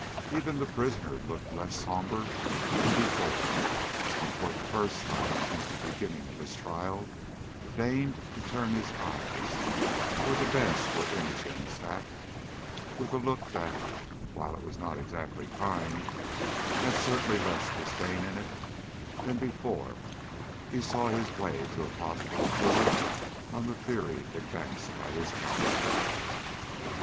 Even the prisoner looked less sombre than before, and for the first time since the beginning of his trial, deigned to turn his eyes toward the bench where Imogene sat, with a look that, while it was not exactly kind, had certainly less disdain in it than before he saw his way to a possible acquittal on the theory advanced by his counsel.